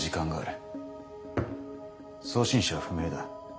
送信者は不明だ。